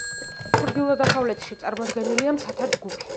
ჩრდილო-დასავლეთში წარმოდგენილია მთათა ჯგუფი.